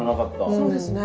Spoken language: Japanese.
そうですね。